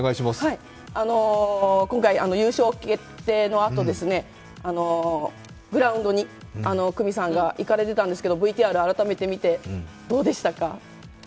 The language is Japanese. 今回優勝決定のあと、グラウンドに久美さんが行かれてたんですけれどもＶＴＲ改めて見て、どうでしたか？